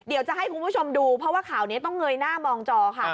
เดี๋ยวจะให้คุณผู้ชมดูเพราะว่าข่าวนี้ต้องเงยหน้ามองจอค่ะ